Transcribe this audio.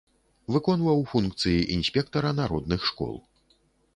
Выконваў функцыі інспектара народных школ.